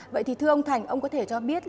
vậy thì thưa ông thành ông có thể cho biết